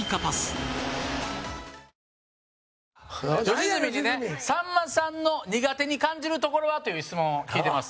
陣内：吉住にね、さんまさんの苦手に感じるところは？という質問を聞いてます。